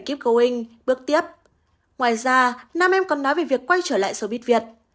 keep going bước tiếp ngoài ra nam em còn nói về việc quay trở lại showbiz việt